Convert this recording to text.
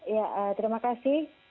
ya terima kasih